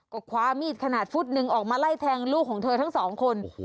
ก็คว้ามีดขนาดฟุตหนึ่งออกมาไล่แทงลูกของเธอทั้งสองคน